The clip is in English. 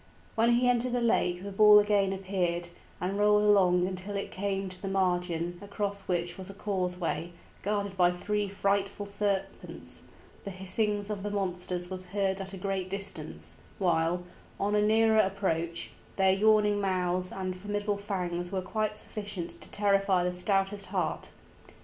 When he entered the lake the ball again appeared, and rolled along until it came to the margin, across which was a causeway, guarded by three frightful serpents; the hissings of the monsters was heard at a great distance, while, on a nearer approach, their yawning mouths and formidable fangs were quite sufficient to terrify the stoutest heart.